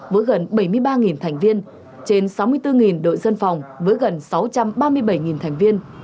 với gần bảy mươi ba thành viên trên sáu mươi bốn đội dân phòng với gần sáu trăm ba mươi bảy thành viên